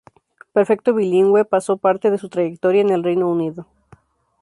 Perfecto bilingüe, pasó parte de su trayectoria en el Reino Unido.